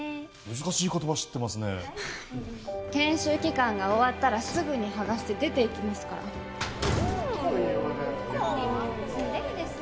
難しい言葉知ってますね研修期間が終わったらすぐにはがして出て行きますからツンデレですね